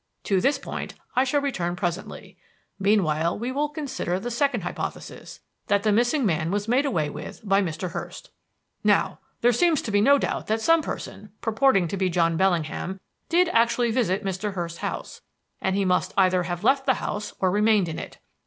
To this point I shall return presently; meanwhile we will consider the second hypothesis that the missing man was made away with by Mr. Hurst. "Now, there seemed to be no doubt that some person, purporting to be John Bellingham, did actually visit Mr. Hurst's house; and he must either have left the house or remained in it.